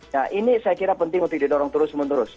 nah ini saya kira penting untuk didorong terus menerus